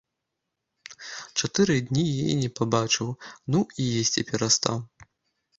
Чатыры дні яе не пабачыў, ну, і есці перастаў.